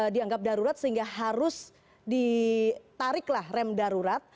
dianggap darurat sehingga harus ditariklah rem darurat